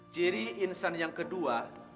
ciri insan yang kedua